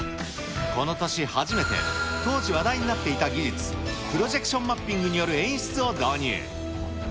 この年初めて、当時話題になっていた技術、プロジェクションマッピングによる演出を導入。